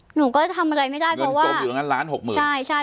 หนูก็ทำอะไรไม่ได้เพราะว่าผมอยู่ตรงนั้นล้านหกหมื่นใช่ใช่